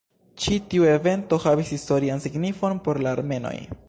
Ĉi tiu evento havis historian signifon por la armenoj.